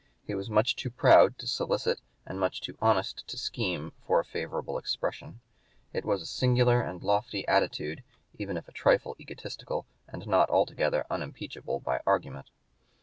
He was much too proud to solicit and much too honest to scheme for a favorable expression. It was a singular and a lofty attitude even if a trifle egotistical and not altogether unimpeachable by argument.